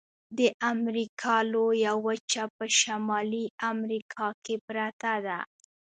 د امریکا لویه وچه په شمالي امریکا کې پرته ده.